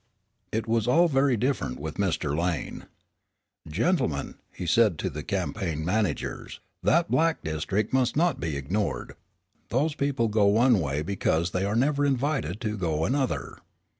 It was all very different with Mr. Lane. "Gentlemen," he said to the campaign managers, "that black district must not be ignored. Those people go one way because they are never invited to go another."